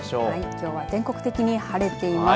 きょうは全国的に晴れています。